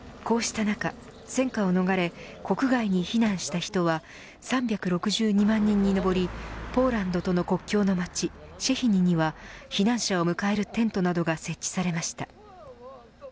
こうした中戦火を逃れ国外に避難した人は３６２万人に上りポーランドとの国境の町シェヒニには避難者を迎えるテントなどが設置されました。